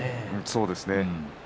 そうですね。